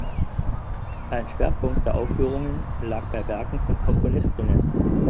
Ein Schwerpunkt der Aufführungen lag bei Werken von Komponistinnen.